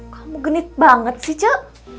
kamu genit banget sih cak